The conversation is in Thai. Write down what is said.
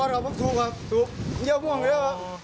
ปัตตาวะครับถูกครับถูกเยอะมากเยอะ